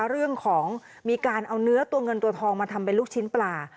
เรื่องของการเอาเนื้อตัวเงินตัวทองมาทำเป็นลูกชิ้นปลา